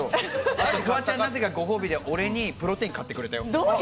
フワちゃん、なぜかご褒美に俺にプロテイン買ってくれたよ。